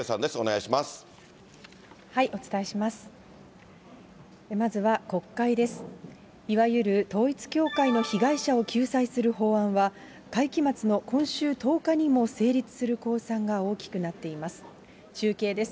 いわゆる統一教会の被害者を救済する法案は、会期末の今週１０日にも成立する公算が大きくなっています。